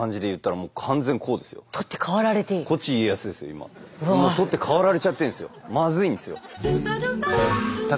もう取って代わられちゃってんですよ。